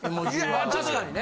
確かにね。